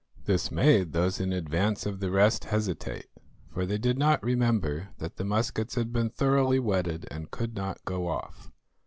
This made those in advance of the rest hesitate, for they did not remember that the muskets had been thoroughly wetted and could not go off.